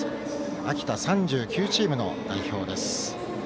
秋田、３９チームの代表です。